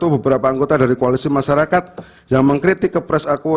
beberapa anggota dari koalisi masyarakat yang mengkritik kepres aku